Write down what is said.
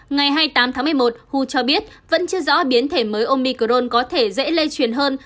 ngày hai mươi tám tháng một mươi một hu cho biết vẫn chưa rõ biến thể mới omicron có thể dễ lây truyền hơn